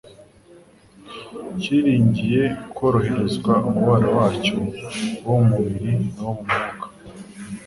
cyiringiye kworoherezwa umubabaro wacyo wo ku mubiri n'uwo mu by'umwuka.